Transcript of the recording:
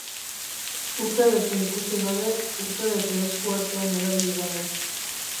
Urtebete ikusi gabe, urtebete esku artean erabili gabe.